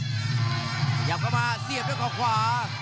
พยายามเข้ามาเสียบด้วยเขาขวา